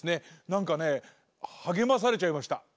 なんかねはげまされちゃいました。